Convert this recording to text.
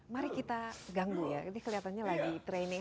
mari kita ganggu ya ini kelihatannya lagi training